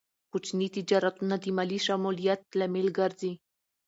کوچني تجارتونه د مالي شمولیت لامل ګرځي.